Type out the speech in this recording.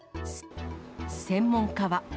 専門家は。